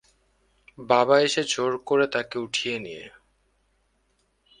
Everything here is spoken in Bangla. বাবা এসে জোর করে তাকে উঠিয়ে নিয়ে।